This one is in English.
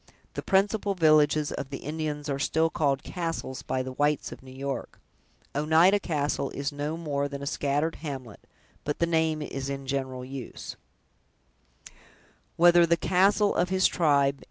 The principal villages of the Indians are still called "castles" by the whites of New York. "Oneida castle" is no more than a scattered hamlet; but the name is in general use.